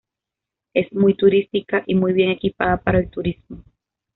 Es muy turística y muy bien equipada para el turismo.